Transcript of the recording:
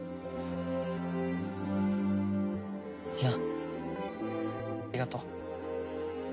ユナありがとう。